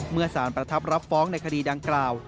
เมื่อสารประทับรับฟ้องในคดีดังกล่าว